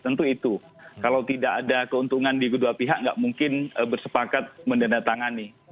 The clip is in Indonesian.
tentu itu kalau tidak ada keuntungan di kedua pihak nggak mungkin bersepakat mendandatangani